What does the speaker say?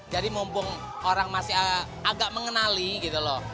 jadi mumpung orang masih agak mengenali gitu loh